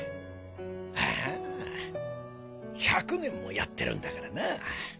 ああ１００年もやってるんだからな。